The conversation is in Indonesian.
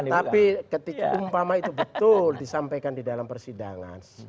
tapi ketika umpama itu betul disampaikan di dalam persidangan